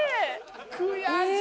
悔しい。